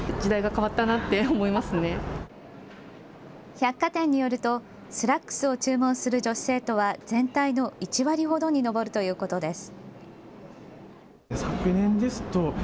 百貨店によるとスラックスを注文する女子生徒は全体の１割ほどに上るということです。